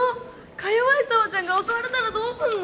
かよわい紗羽ちゃんが襲われたらどうすんの？